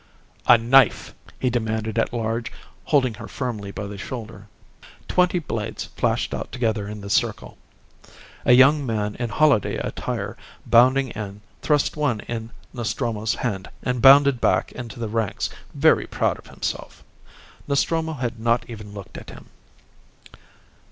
"A knife!" he demanded at large, holding her firmly by the shoulder. Twenty blades flashed out together in the circle. A young man in holiday attire, bounding in, thrust one in Nostromo's hand and bounded back into the ranks, very proud of himself. Nostromo had not even looked at him.